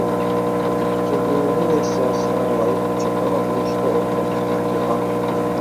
Тергөөнүн версиясына ылайык, Чотонов бул иште ортомчулук кылган.